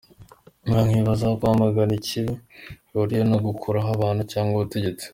Aha nkibaza aho kwamagana ikibi bihuriye no gukuraho abantu cyangwa ubutegetsi !